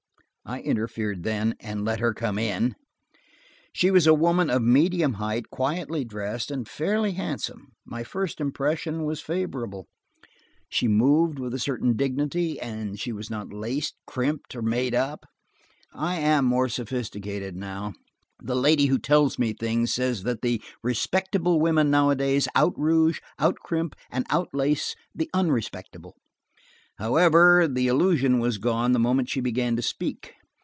I interfered then, and let her come in. She was a woman of medium height, quietly dressed, and fairly handsome. My first impression was favorable; she moved with a certain dignity, and she was not laced, crimped or made up. I am more sophisticated now; The Lady Who Tells Me Things says that the respectable women nowadays, out rouge, out crimp and out lace the unrespectable. However, the illusion was gone the moment she began to speak.